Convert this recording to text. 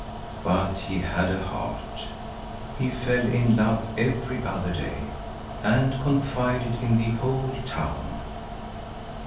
But he had a heart; he fell in love every other day, and confided in the whole town.